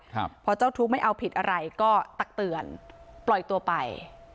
ครับพอเจ้าทุกข์ไม่เอาผิดอะไรก็ตักเตือนปล่อยตัวไป